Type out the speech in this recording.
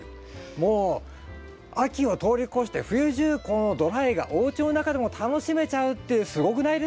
もう秋を通り越して冬中このドライがおうちの中でも楽しめちゃうってすごくないですか？